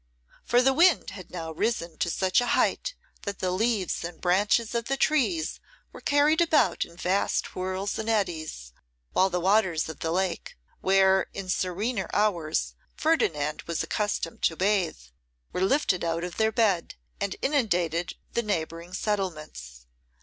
For the wind had now risen to such a height that the leaves and branches of the trees were carried about in vast whirls and eddies, while the waters of the lake, where in serener hours Ferdinand was accustomed to bathe, were lifted out of their bed, and inundated the neighbouring settlements.